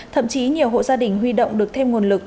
thậm chí nhiều hộ gia đình huy động được thêm nguồn lực